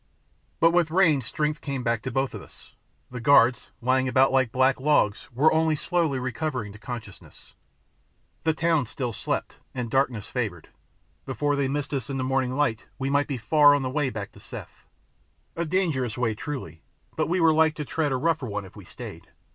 But with rain strength came back to both of us. The guards, lying about like black logs, were only slowly returning to consciousness; the town still slept, and darkness favoured; before they missed us in the morning light we might be far on the way back to Seth a dangerous way truly, but we were like to tread a rougher one if we stayed.